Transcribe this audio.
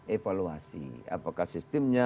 evaluasi apakah sistemnya